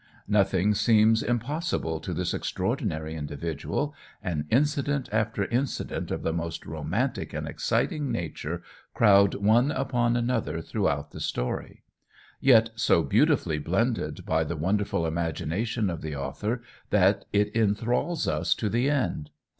Nothing seems impossible to this extraordinary individual, and incident after incident of the most romantic and exciting nature crowd one upon another throughout the story; yet so beautifully blended by the wonderful imagination of the author, that it enthrals us to the end.